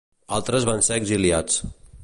Altres van ser exiliats.